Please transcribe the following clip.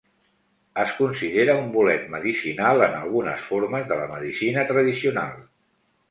Es considera un bolet medicinal en algunes formes de la medicina tradicional.